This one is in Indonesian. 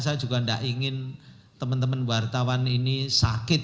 saya juga tidak ingin teman teman wartawan ini sakit